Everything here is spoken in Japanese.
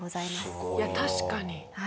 いや確かに。